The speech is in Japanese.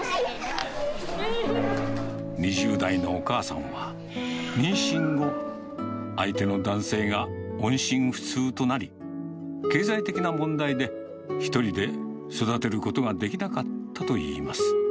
２０代のお母さんは、妊娠後、相手の男性が音信不通となり、経済的な問題で１人で育てることができなかったといいます。